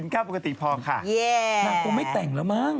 น่ากลงไม่แต่งแล้วมั้ง